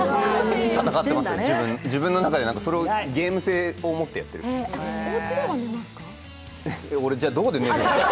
闘ってますよ、自分の中でゲーム性を持ってやってます。